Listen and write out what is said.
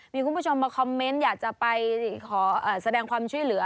มีคุณผู้ชมมาคอมเมนต์อยากจะไปขอแสดงความช่วยเหลือ